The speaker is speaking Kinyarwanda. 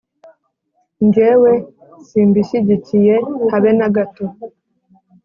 :Ngewe simbishyigikiye habe nagato